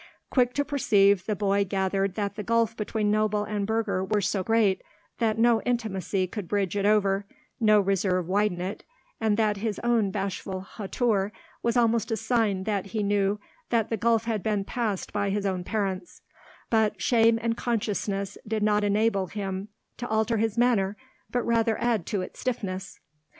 Quick to perceive, the boy gathered that the gulf between noble and burgher was so great that no intimacy could bridge it over, no reserve widen it, and that his own bashful hauteur was almost a sign that he knew that the gulf had been passed by his own parents; but shame and consciousness did not enable him to alter his manner but rather added to its stiffness.